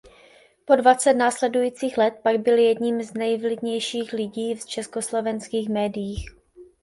Po dvacet následujících let pak byl jedním z nejvlivnějších lidí v československých médiích.